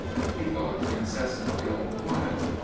He talked incessantly all the while.